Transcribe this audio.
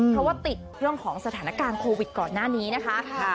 เพราะว่าติดเรื่องของสถานการณ์โควิดก่อนหน้านี้นะคะ